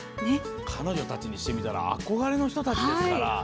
彼女たちにしてみたら憧れの人たちですから。